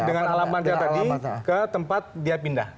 dengan alamannya tadi ke tempat dia pindah